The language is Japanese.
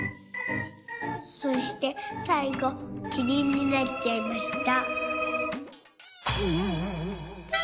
そしてさいごキリンになっちゃいました」。